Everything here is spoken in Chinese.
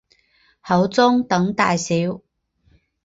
口中等大小。